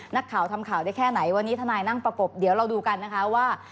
นักข่าวทำข่าวได้แค่ไหนวันนี้ทนายนั่งประกบเดี๋ยวเราดูกันนะคะว่า